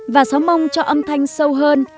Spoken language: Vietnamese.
và sáo mông cho âm thanh sâu hơn